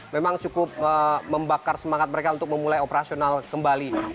memang cukup membakar semangat mereka untuk memulai operasional kembali